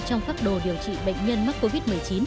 trong phác đồ điều trị bệnh nhân mắc covid một mươi chín